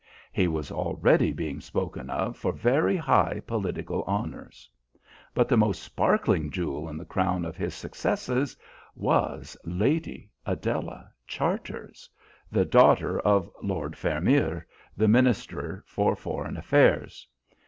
He was already being spoken of for very high political honours. But the most sparkling jewel in the crown of his successes was Lady Adela Charters, the daughter of Lord Vermeer, the Minister for Foreign Affairs.